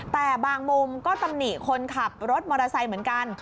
แต่บางมุมก็ตำหนิคนขับรถมอเตอร์ไซค์เหมือนกัน